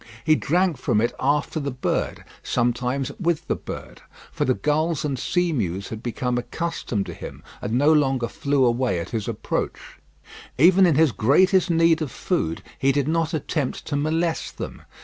He drank from it after the bird; sometimes with the bird; for the gulls and seamews had become accustomed to him, and no longer flew away at his approach. Even in his greatest need of food he did not attempt to molest them.